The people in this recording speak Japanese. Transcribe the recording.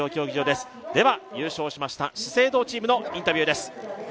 では優勝しました資生堂チームのインタビューです。